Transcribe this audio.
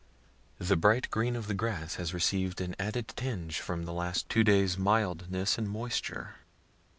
The bright green of the grass has receiv'd an added tinge from the last two days' mildness and moisture.